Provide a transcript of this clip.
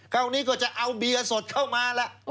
คราวนี้ก็จะเอาเบียร์สดเข้ามาล่ะ